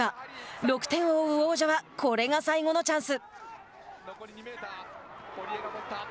６点を追う王者はこれが最後のチャンス。